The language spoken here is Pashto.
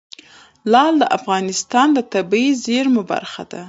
لعل د افغانستان د طبیعي زیرمو برخه ده.